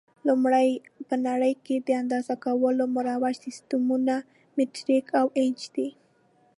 لومړی: په نړۍ کې د اندازه کولو مروج سیسټمونه مټریک او انچ دي.